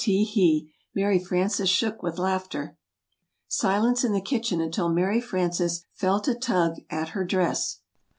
Tee hee." Mary Frances shook with laughter. Silence in the kitchen until Mary Frances felt a tug at her tug at her dress.